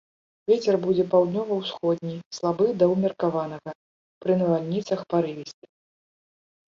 Вецер будзе паўднёва-ўсходні, слабы да ўмеркаванага, пры навальніцах парывісты.